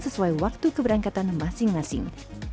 sesuai waktu keberangkatan masing masing